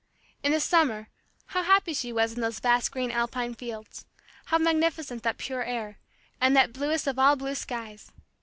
In the summer, how happy she was in those vast green Alpine fields, how magnificent that pure air, and that bluest of all blue skies!